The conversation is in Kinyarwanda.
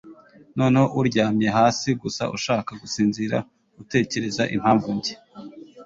noneho uryamye hasi, gusa ushaka gusinzira, utekereza impamvu njye